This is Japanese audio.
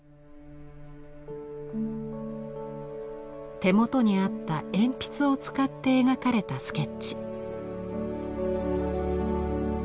手元にあった鉛筆を使って描かれたスケッチ。